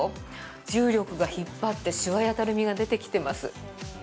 重力が引っ張ってしわやたるみが出てきてます。